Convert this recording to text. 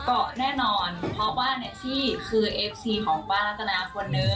เกาะแน่นอนเพราะว่าแนนซี่คือเอฟซีของป้ารัตนาคนนึง